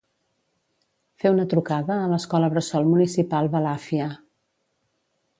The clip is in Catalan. Fer una trucada a l'escola bressol municipal Balàfia.